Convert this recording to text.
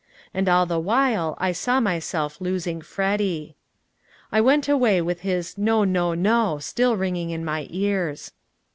And all the while I saw myself losing Freddy. I went away with his "no, no, no!" still ringing in my ears.